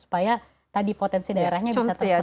supaya tadi potensi daerahnya bisa tersedia